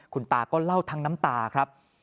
คุณตาก็เล่าทั้งน้ำตาครับ